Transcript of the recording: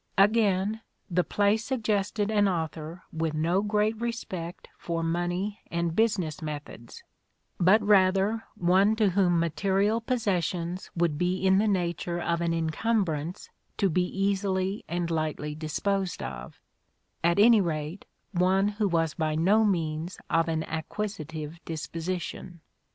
Again the play suggested an author with no great respect for money and business methods, but rather one to whom material possessions would be in the nature of an encumbrance to be easily and lightly disposed of : at any rate one who was by no means of an acquisitive disposition.